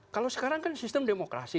kalau sekarang kan sistem demokrasi